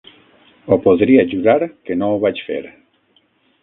O podria jurar que no ho vaig fer.